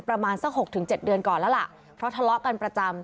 ประมาณสัก๖๗เดือนก่อนแล้วล่ะเพราะทะเลาะกันประจำ